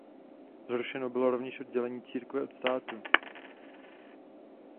Zrušeno bylo rovněž oddělení církve od státu.